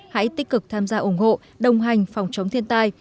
hãy tích cực tham gia ủng hộ đồng hành phòng chống thiên tai